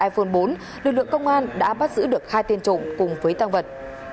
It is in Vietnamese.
iphone bốn lực lượng công an đã bắt giữ được hai tên trộm cùng với tăng vật